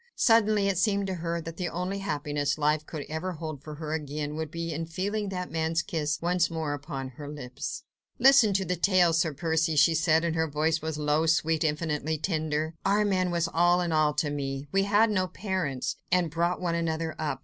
Suddenly it seemed to her that the only happiness life could ever hold for her again would be in feeling that man's kiss once more upon her lips. "Listen to the tale, Sir Percy," she said, and her voice now was low, sweet, infinitely tender. "Armand was all in all to me! We had no parents, and brought one another up.